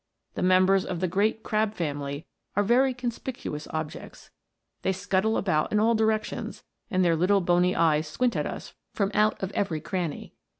The members of the great crab family are very conspicuous objects. They scuttle about in all directions, and their little bony eyes squint at us from out of every cranny.